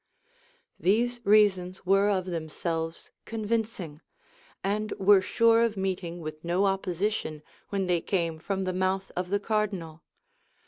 These reasons were of themselves convincing, and were sure of meeting with no opposition when they came from the mouth of the cardinal.